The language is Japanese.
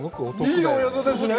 いいお宿ですね。